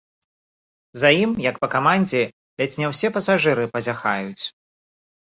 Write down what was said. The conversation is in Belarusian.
За ім, як па камандзе, ледзь не ўсе пасажыры пазяхаюць.